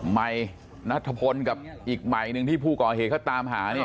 ใหม่นัทพลกับอีกใหม่หนึ่งที่ผู้ก่อเหตุเขาตามหาเนี่ย